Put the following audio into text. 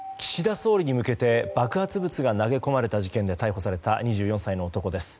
総理に向けて爆発物が投げ込まれた事件で逮捕された２４歳の男です。